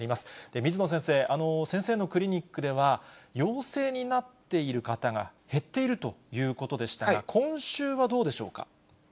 水野先生、先生のクリニックでは、陽性になっている方が減っているということでしたが、今週はどうでしょうか。